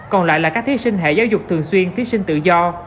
còn lại là các thí sinh hệ giáo dục thường xuyên thí sinh tự do